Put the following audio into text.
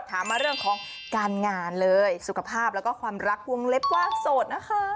ถามมาเรื่องของการงานเลยสุขภาพแล้วก็ความรักวงเล็บกว้างโสดนะคะ